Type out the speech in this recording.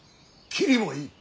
切りもいい。